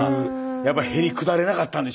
やっぱりへりくだれなかったんでしょうね。